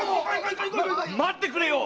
待ってくれ！